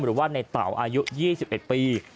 หรือว่าในเต๋าอายุ๒๑ปี